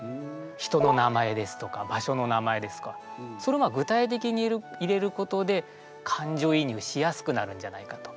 人の名前ですとか場所の名前ですとかそれは具体的に入れることで感情移入しやすくなるんじゃないかと。